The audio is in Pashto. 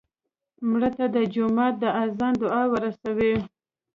مړه ته د جومات د اذان دعا ورسوې